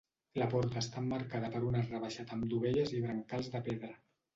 La porta està emmarcada per un arc rebaixat amb dovelles i brancals de pedra.